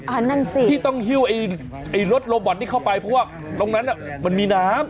นั่นสิที่ต้องหิ้วไอ้รถโลบอตนี้เข้าไปเพราะว่าตรงนั้นมันมีน้ำ